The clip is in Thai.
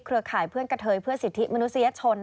ข่ายเพื่อนกระเทยเพื่อสิทธิมนุษยชน